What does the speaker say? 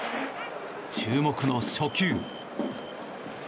注目の初球。